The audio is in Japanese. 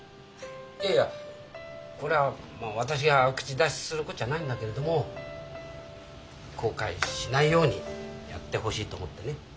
いやいやこれはまあ私が口出しするこっちゃないんだけれども後悔しないようにやってほしいと思ってね。